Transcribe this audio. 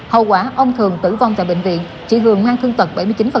hậu quả ông thường tử vong tại bệnh viện chị hường mang thương tật bảy mươi chín